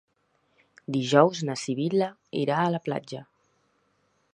Dijous na Sibil·la irà a la platja.